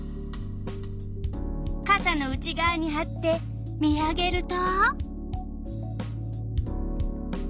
かさの内がわにはって見上げると？